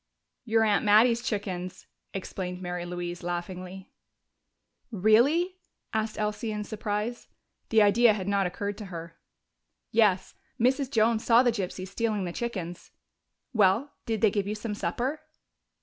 "Your aunt Mattie's chickens," explained Mary Louise laughingly. "Really?" asked Elsie in surprise. The idea had not occurred to her. "Yes. Mrs. Jones saw the gypsies stealing the chickens.... Well, did they give you some supper?"